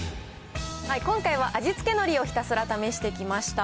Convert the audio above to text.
今回は味付けのりをひたすら試してきました。